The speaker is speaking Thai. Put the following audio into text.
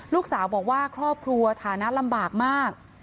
ลูกสาวบอกว่าครอบครัวฐานะลำบากมาก